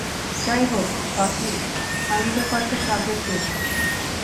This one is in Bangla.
যাই হোক, বাকি, আমি এবার কয়েকটা শাগরেদ পেয়েছি।